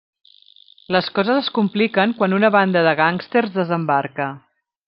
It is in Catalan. Les coses es compliquen quan una banda de gàngsters desembarca.